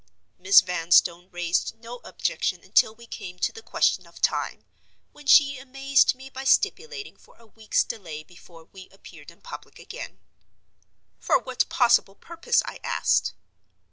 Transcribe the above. Miss Vanstone raised no objection until we came to the question of time, when she amazed me by stipulating for a week's delay before we appeared in public again. "For what possible purpose?" I asked.